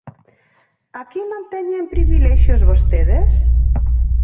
¿Aquí non teñen privilexios vostedes?